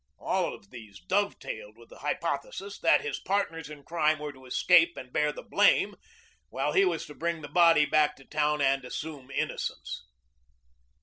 All of these dovetailed with the hypothesis that his partners in crime were to escape and bear the blame, while he was to bring the body back to town and assume innocence.